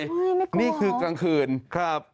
อุ้ยไม่กลัวหรอนี่คือกลางคืนครับ